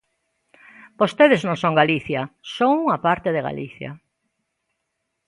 Vostedes non son Galicia, son unha parte de Galicia.